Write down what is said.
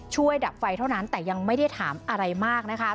ดับไฟเท่านั้นแต่ยังไม่ได้ถามอะไรมากนะคะ